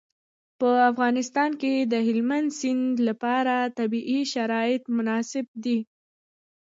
په افغانستان کې د هلمند سیند لپاره طبیعي شرایط مناسب دي.